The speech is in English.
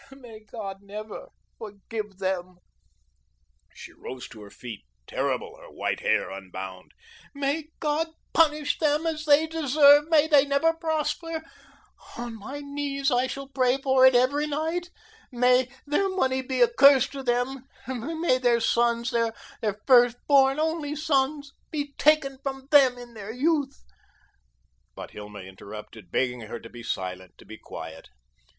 May God never forgive them." She rose to her feet, terrible, her white hair unbound. "May God punish them as they deserve, may they never prosper on my knees I shall pray for it every night may their money be a curse to them, may their sons, their first born, only sons, be taken from them in their youth." But Hilma interrupted, begging her to be silent, to be quiet.